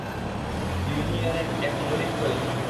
Union এক মৌলিক প্রয়োজন।